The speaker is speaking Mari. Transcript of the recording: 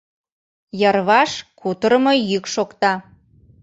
Йырваш кутырымо йӱк шокта...